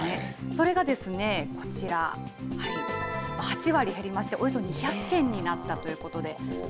それがこちら、８割減りまして、およそ２００件になったということで。